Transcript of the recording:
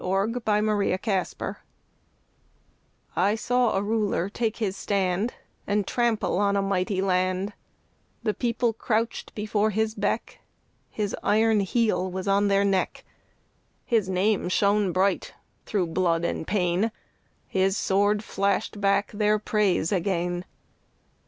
VERSE: THE THREE RULERS I saw a Ruler take his stand And trample on a mighty land; The People crouched before his beck, His iron heel was on their neck, His name shone bright through blood and pain, His sword flashed back their praise again.